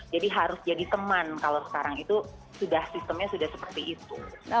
jadi harus jadi teman kalau sekarang itu sudah sistemnya sudah seperti itu